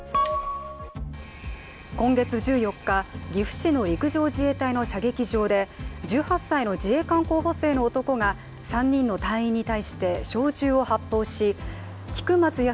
今月１４日、岐阜市の陸上自衛隊の射撃場で１８歳の自衛官候補生の男が３人の隊員に対して小銃を発砲し菊松安